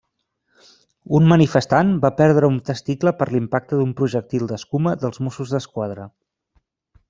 Un manifestant va perdre un testicle per l'impacte d'un projectil d'escuma dels Mossos d'Esquadra.